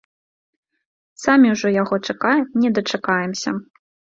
Самі ўжо яго чакаем не дачакаемся.